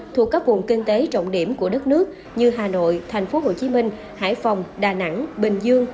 thuộc các vùng kinh tế trọng điểm của đất nước như hà nội tp hcm hải phòng đà nẵng bình dương